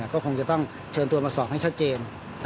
ก็คงจะต้องเชิญตัวมาสอบให้ชัดเจน